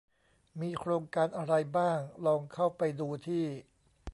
มีโครงการอะไรบ้างลองเข้าไปดูที่